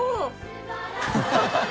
ハハハ